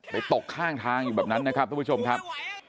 ตกข้างทางอยู่แบบนั้นนะครับทุกผู้ชมครับ